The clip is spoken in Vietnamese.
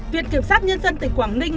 viện kiểm soát nhân dân tỉnh quảng ninh